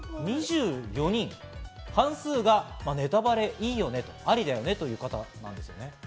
２４人、半数がネタバレいいよね、ありだよねという方だったんです。